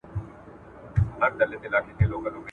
د الله په نوم کار پيلول برکت زياتوي.